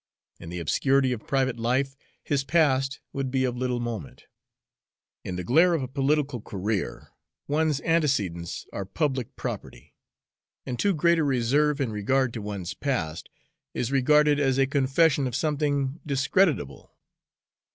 In the obscurity of private life, his past would be of little moment; in the glare of a political career, one's antecedents are public property, and too great a reserve in regard to one's past is regarded as a confession of something discreditable.